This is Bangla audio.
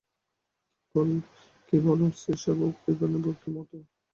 কী বল, শ্রীশবাবু বিপিনবাবুর কী মত?